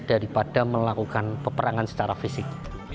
daripada melakukan peperangan secara fisik